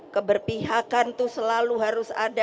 keberpihakan itu selalu harus ada